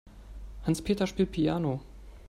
Hans-Peter spielt Piano.